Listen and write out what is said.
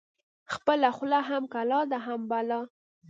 ـ خپله خوله هم کلا ده هم بلا ده.